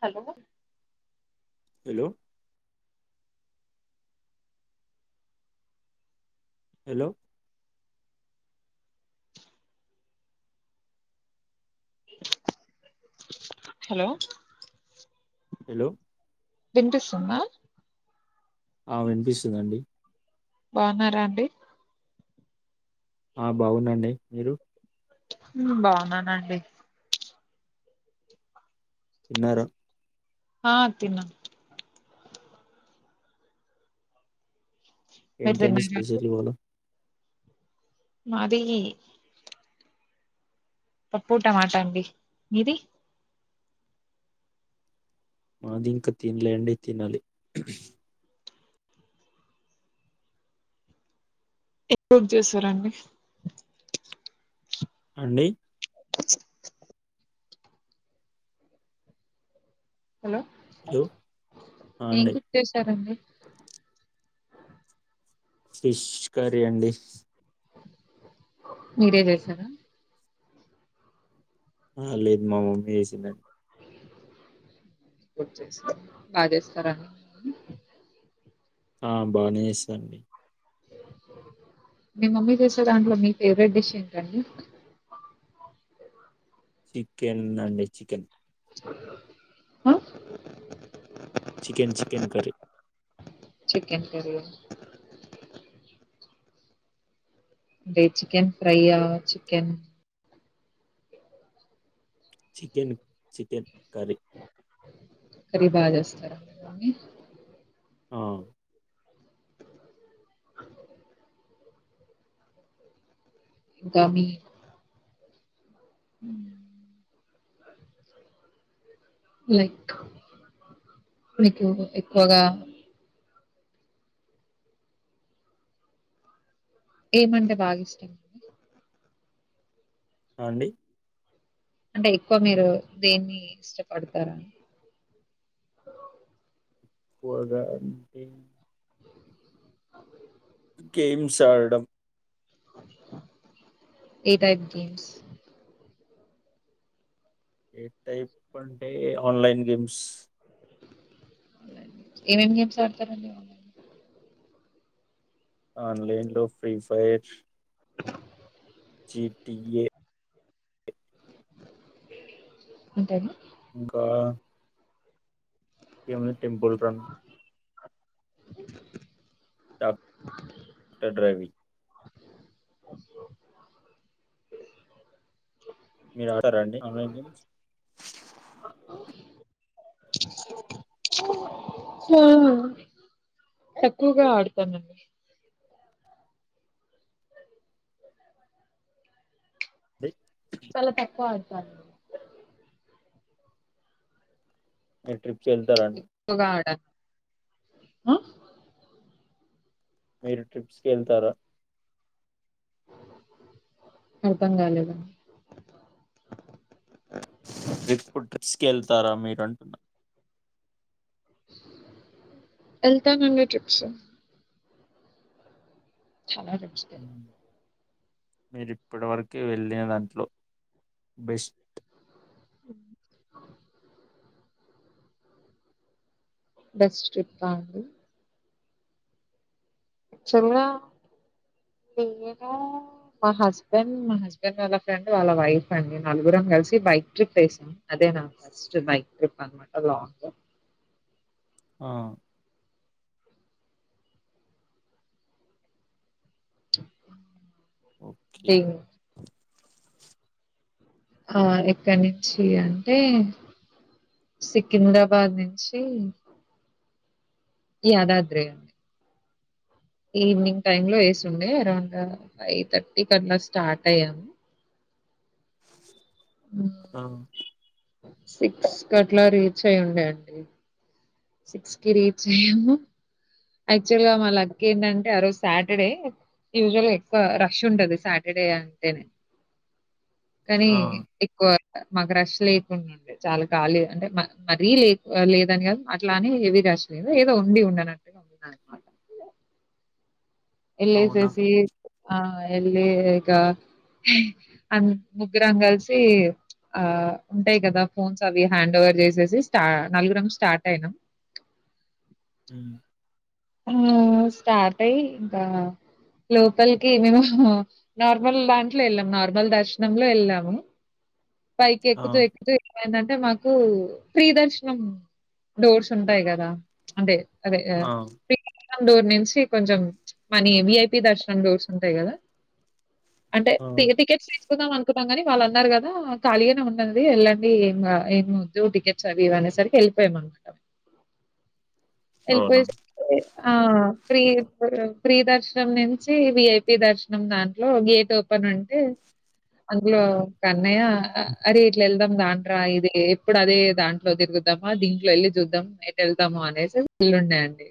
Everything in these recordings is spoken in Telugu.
Hello hello hello hello hello వినిపిస్తుందా ఆ వినిపిస్తుందండి బాన్నారా అండి ఆ బాగున్నండీ మీరు హ్మ్ బాన్నానండి తిన్నార ఆ తిన్నా మీరు ఏంటండీ తిన్నారా స్పెషల్ ఇవాల మాది పప్పు టమాటా అండి మీది మాది ఇంకా తిన్లే అండి తినాలి ఎప్పుడ్ చేస్తారండి అండి హలో హలో ఆ ఏం అండి కూర చేశారండి ఫిష్ కర్రీ అండి మీరే చేసారా ఆ లేదు మా మమ్మీ చేసిందండి బాగా చేస్తారని ఆ బానేచేస్తాదండి మీ మమ్మీ చేసే దాంట్లో మీ ఫేవరెట్ డిష్ ఏంటండి చికెన్ అంటే చికెన్ హా చికెన్ చికెన్ కరీ క అంటే చికెన్ ఫ్రైయా chicken chicken chicken curry curry బాగా చేస్తారా ఆ గమి హ లైక్ నాకు ఎక్కువగా ఏమంటే బాగా ఇష్టండి అండి అంటే ఎక్కువ మీరు దేన్ని ఇష్టపడతారని పోగా అంట గేమ్స్ ఆడడం ఏ టైప్ గెమ్స్ ఏ టైప్ అంటే ఆన్లైన్ గేమ్స్ ఏమేమి గేమ్స్ ఆడతారండిన్ల ఆన్లైన్ లో ఫ్రీ ఫైర్ జిటిఏ అంటానా ఇంకా ఏవ టెంపుల్ రన్ డాక్టర్వి మీరు ఆడారా అండి ఆన్లైన్ గేమ్స్ ఆ తక్కువగా ఆడతానుండి అయి చాలా తక్కువ అయితారు మీరు ట్రిప్స్ వెళ్తారండి ఎక్కువగా ఆడాను ఆ మీరు ట్రిప్స్కి వెళ్తారా అర్థంగాాలదా ర్రిక్స్ ్రిక్స్కి వెళ్తారా మీరు అంటున్న అల్తానంగా చూప్సు ాల రస్ మీరిప్పటి వరక వెళ్ళిన దాంట్లో బెస్ట్ అ బస్్రిప్ప ఉంది [unintelligible] చంగా యర్ మా హస్బెండ్ మా హస్బెండ్ వాళ్ళ ఫ్రెండ్ వాళ్ళ వైఫ్ అండి నలుగురం కలిసి బయ బైక్ ట్రిప్ వేసామ్ అదే ఫస్టు బైక్ ట్రిప్ అ లాంగ్ ఆ ఓకే ఏ ఆ ఎక్కడి నుంచి అంటే సికింద్రాబాద్ నుంచి ఇ అదద్రే అ ఈవినింగ్ టైమ్ లో వేసిండే అరౌండ్ ఫైవ్ థర్టీ క అట్లా స్టార్ట్ అయ్యాము ఆ సిక్స్ క అట్లా రీచ్ అయ ఉండే అండి సిక్స్ కి రీచ్ అయ్యాము యాక్చువల్ గా మా లక్ ఏంటంటే ఆ రోజు సాటర్డే యూజువల్ ఎక్కువ రష్ ఉంటది సాటర్డే అంటేనే కానీ ఆ ఎక్కువ మాకు రష్ లేకుండా ఉండే చాలా కాలేదు అంటే మరీ లే లేదని కాదు అట్లానే ఏవి రాశ లేద ఏదో ఉండి ఉండనట్టుగా ఉంది అన్నమాట ఎళ అవునా చేసి ఆ ఎళకా అ ముగ్గురం కలిసి ఆ ఉంటాయి కదా ఫోన్స్ అవి హ్యాండ్ ఓవర్ చేసేసి స్టా నలుగురం స్టార్ట్ అయినాం హ స్టార్ట్ అయి ఇంకా లోపల్కిి మేము నార్మల్ దాంట్లో వెళ్ళాము నార్మల్ దర్శనంలో వెళ్ళాము పైకి ఆ ఎక్కుతూ ఎక్కుతూ ఏమైందంటే మాకు నాకు ప్రిదర్శనం డోర్స్ ఉంటాయి కదా అంటే అదే ఆ దర్శం డర్ నుంచి కొంచెం మనీ విఐపి దర్శనం డూర్స్ ఉంటాయి కదా ఆ అంటేటికెట్ తీసుకుందాం అనుకుంట కానీ వాళ్ళు అన్నారు కదా ఖాళగానే ఉండంది వెళ్ళండి ఏం ఏం వద్దు టికెట్స్ అవి ఇవ అనే సరికి వె ప్పేమట్ట అవునా ఆ ఫీ ఫీ దర్శనం నుంచి విఐపి దర్శనం దాంట్లో గ అలో కన్న అ ాం దాం్రా ఇది ఎప్పుడు అదే దాంట్లో తిరుగుదామా దీంట్లో వెళ్ళి చూద్దాం ఎట్ వెళ్దాము అనేసి ల్ ఉన్నాయండి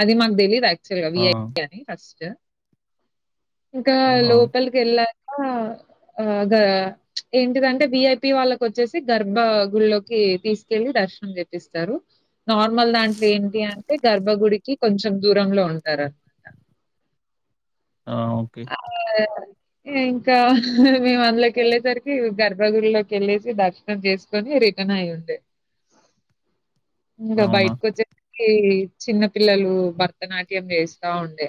అది మాకు తెలీదు యాక్చువల్ గా ఆ విఐ అని ఫస్ట్ ఇంకా ఆ లోపలికి వెళ్ళాక ఆ గ ఏంటిదంటే బిఐపి వాళ్ళకి వచ్చేసి గర్భ గు లోకి తీసుకెళ్ళలి దర్శనం చేప్పస్తారు నార్మల్ దాంట్లో ఏంటి అంటే గర్వ బబ గుడికి కొంచెం దూరంలో ఉంటారనమాట ఆ ఓకే ఇంకా మేము అందులోకి వెళ్ళేసరికి గర్భధలోకి వెళ్ళేసి దర్శనం చేసుకొని రకనా అయి ఉండే ఇంకా అవునా బయటకి వచ్చే చిన్న పిల్లలు భరతనాట్యం వేస్తా ఉండే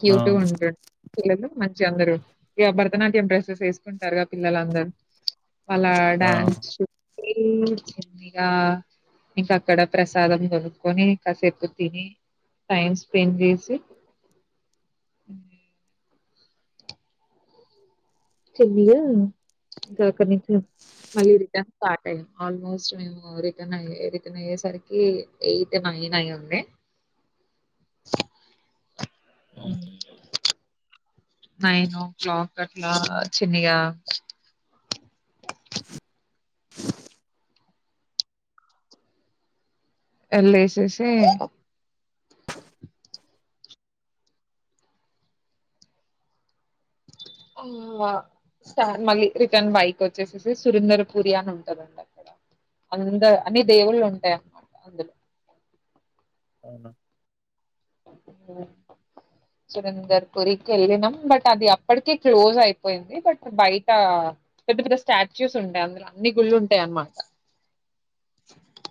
క్యూ ఆ టూ హండ్రెడ్ పిల్లలు మ అందరు ఇక భరతనాట్యం డ్రెస్సెస్ వేసుకుంటారు పిల్లలందరు అళ్ళ ఆ డ్యాన్స్ చ చిందిగా ఇంక అక్కడ ప్రసాదం కొొనుకొని ఇంకాసేపు తిని టైమ్ స్పెండ్ చేసి చెలియా కాకనీ మళ్ళీ రిటర్న్ స్టార్ట్ అయ్యాం ఆల్మోస్ట్ మేము రిటర్న్ అయ రిటర్న్ అయ్యేసరికి ఎయింత అంది అవునా నైన్ ఓ క్లాక్ అట్లా చిన్నగా ఎ లేేసేసి అ స్టార్ మళ్ళీ రిటర్న్ బైక్ వచ్చేసేసి సురేంద్ర పూరి అని ఉంటందండి అక్కడ అందర్ అన్ని దేవుళ్ళు ఉంటాయి అన్నమాట అందులో అవునా హ్మ్ సురేందర్ పూరికి వెళ్ళినాం బట్ అది అప్పటికే క్లోజ్ అయిపోయింది బట్ బయట పెద్ద పెద్ద స్టాచ్యూస్ ఉంటాయి అందులో అన్ని గుళ్ళుంటాయి అన్నమాట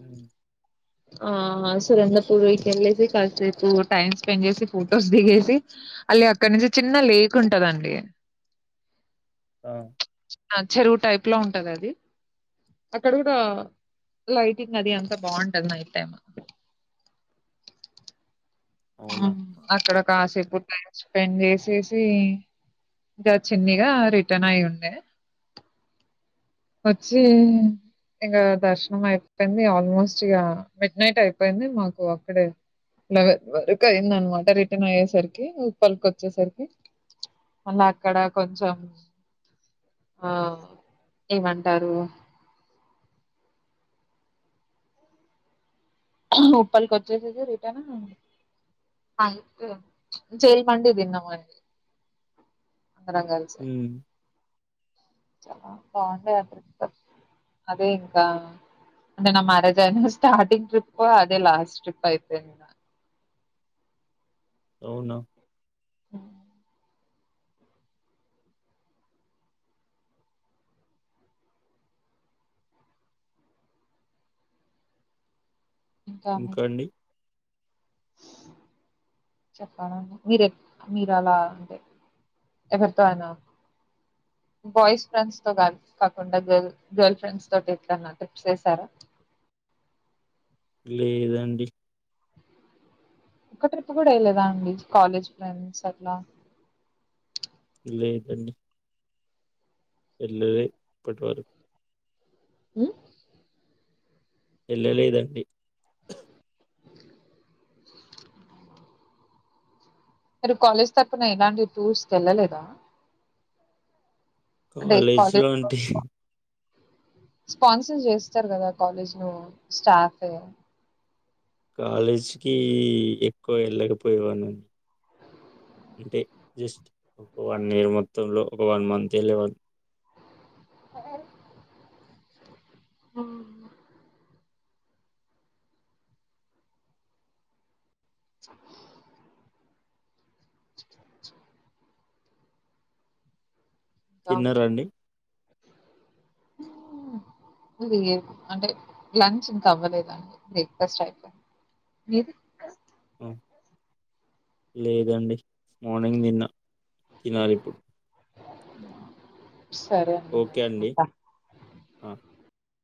హ్మ్ ఆ సురంద్రపూర్కెళ్ళేసి కాసేపు టైమ్ స్పెండ్ చేసి ఫొటోస్ దిగేసి అళ్లి అక్కడ నుంచి చిన్న లేక్ ఉంటదండి ఆ చెరువు టైప్ లో ఉంటది అది అక్కడ కూడా లైటింగ్ అది అంతా బాగుంటది నైట్ టైంలో అహ్ అవునా అక్కడ కాసేపు టైం స్పెండ్ చేసేసి ఇంకా చిన్నిగా రిటర్న్ అయిఉండే వచ్చి ఇగా దర్శనం అయిపోయింది ఆల్మోస్ట్ ఇగ మిడ్ నైట్ అయిపోయింది మాకు ఆల్మోస్ట్ అక్కడే లెవెన్ వరకు అయింది అన్నమాట రిటర్న్ అయ్యేసరికి ఉప్పల్కొచేసరికి మళ్ళ అక్కడ కొంచెం ఆ ఏమంటారు ఉప్పల్ కొచ్చేసేసి రిటర్న్ అయితే జైల్ మండి తిన్నమండి వరంగల్ సైడ్ ఉమ్, చాలా బాగుంటదండి అదే ఇంకా అంటే నా మ్యారేజ్ అయిన స్టార్టింగ్ ట్రిప్ అదే లాస్ట్ ట్రిప్ అయిపోయింది అవునా హ్ ఇంకా అండి చెప్పాలండి మీరే మీరలా అంటే ఎవరితో అయినా బాయ్స్ ఫ్రెండ్స్ తో కాదు కాకుండా గర్ల్ గర్ల్ ఫ్రెండ్స్ తోటి ఎట్లాన్నా ట్రిప్స్ వేసారా లేదండి ఒక్క ట్రిప్ కూడా వేయలేదా అండి కాలేజ్ ఫ్రెండ్స్ అట్లా లేదండి ఏల్లలే ఇప్పటివరకు ఉ ఏళ్ళలేదండి మీరు కాలేజ్ తరుపున ఎలాంటి టూర్స్కి వెళ్ళలేదా కాలేజ్లో అంటే స్పాన్సర్స్ చేస్తారు కదా కాలేజ్ లో స్టాఫే కాలేజీకిి ఎక్కువ వెళ్ళకపోయేవాన్నండి అంటే జస్ట్ ఒక వన్ ఇయర్ మొత్తంలో ఒక వన్ మంత్ ఎల్లేవాళ్ళం అ ఆహా ఇంకా తిన్నరా అండి హ్మ్. లేదు అంటే లంచ్ ఇంకా అవ్వలేదండి బ్రేక్ఫాస్ట్ అయిపోయింది మీది ఆ, లేదండి మార్నింగ్ తిన్న తినాలి ఇప్పుడు సరే అండి ఉంట ఆ